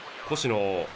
星野